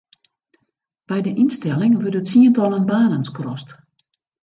By de ynstelling wurde tsientallen banen skrast.